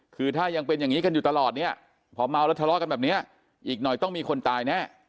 คือถ้ายังเป็นอย่างนี้กันอยู่ตลอดเนี่ยพอเมาแล้วทะเลาะกันแบบนี้อีกหน่อยต้องมีคนตายแน่